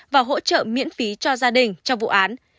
và hỗ trợ miễn phí cho gia đình trong vụ án